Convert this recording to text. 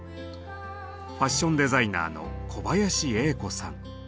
ファッションデザイナーの小林栄子さん。